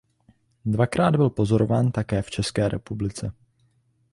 Dvakrát byl pozorován také v České republice.